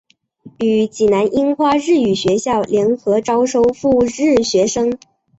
与济南樱花日语学校联合招收赴日学生。